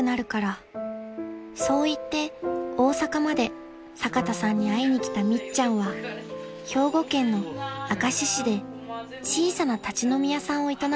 ［そう言って大阪まで坂田さんに会いに来たみっちゃんは兵庫県の明石市で小さな立ち飲み屋さんを営んでいました］